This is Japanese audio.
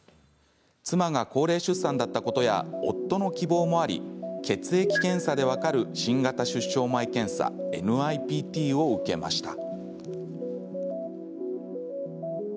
妻が高齢出産だったことや夫の希望もあり血液検査で分かる新型出生前検査・ＮＩＰＴを受けました。